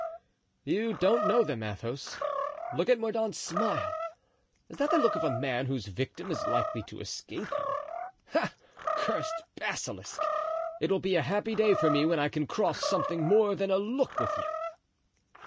"You don't know them. Athos, look at Mordaunt's smile. Is that the look of a man whose victim is likely to escape him? Ah, cursed basilisk, it will be a happy day for me when I can cross something more than a look with you."